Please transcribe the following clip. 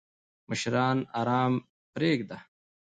مشران آرام پریږده!